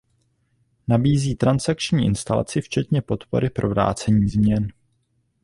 Nabízí transakční instalaci včetně podpory pro vrácení změn.